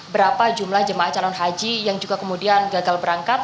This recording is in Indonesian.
berapa jumlah jemaah calon haji yang juga kemudian gagal berangkat